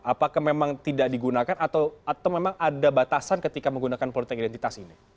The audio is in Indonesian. apakah memang tidak digunakan atau memang ada batasan ketika menggunakan politik identitas ini